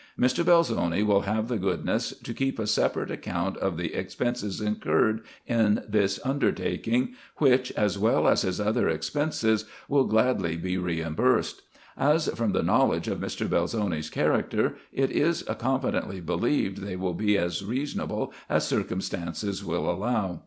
" Mr. Belzoni will have the goodness to keep a separate account of the expenses incurred in this undertaking, which, as well as his other expenses, will gladly be reimbursed ; as, from the knowledge of Mr. Belzoni's character, it is confidently believed they will be as reasonable as circumstances will allow.